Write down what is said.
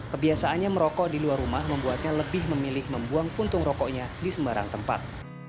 kebiasaannya merokok di luar rumah membuatnya lebih memilih membuang puntung rokoknya di sembarang tempat